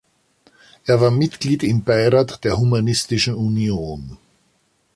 Er war Mitglied im Beirat der Humanistischen Union.